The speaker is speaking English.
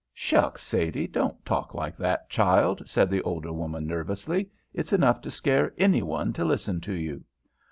"Shucks, Sadie, don't talk like that, child," said the older woman, nervously. "It's enough to scare any one to listen to you."